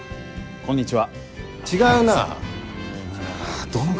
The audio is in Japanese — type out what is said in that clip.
こんにちは。